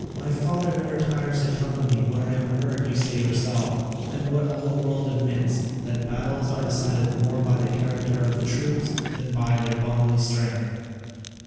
My father never tires of telling me what I have heard you say yourself, and what all the world admits, that battles are decided more by the character of the troops than by their bodily strength."